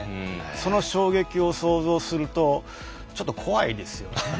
その衝撃を想像するとちょっと怖いですよね。